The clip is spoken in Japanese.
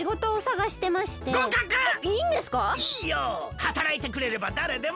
はたらいてくれればだれでも。